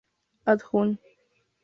And on